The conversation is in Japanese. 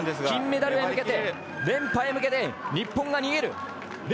金メダルへ向けて連覇へ向けて、日本が逃げる。